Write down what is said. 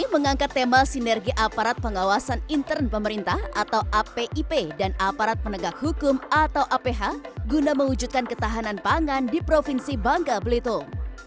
rapat ini diselenggarakan untuk menikapi krisis pangan yang ada di provinsi bangka belitung